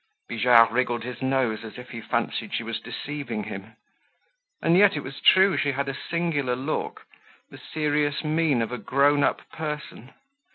Bijard wriggled his nose as if he fancied she was deceiving him. And yet it was true she had a singular look, the serious mien of a grown up person.